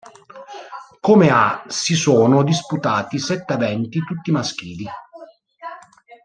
Come a si sono disputati sette eventi tutti maschili.